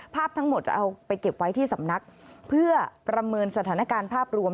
ภาพทั้งหมดจะเอาไปเก็บไว้ที่สำนักเพื่อประเมินสถานการณ์ภาพรวม